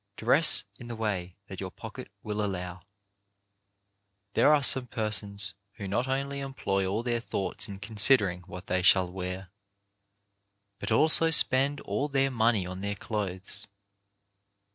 Dress in the "way that your pocket will allow. There are some persons who not only employ all their thoughts in considering what they shall wear, but also spend all their money on their clothes.